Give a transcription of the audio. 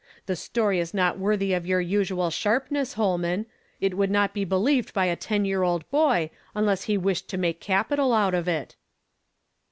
The stoiy is not worthy of your usual sharpness, Holman ; it would not be believed by a ten year old boy, unless he wished to make capital out of it."